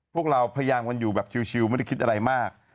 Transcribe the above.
พวกเราพยายามกันอยู่แบบชิลไม่ได้คิดอะไรมาก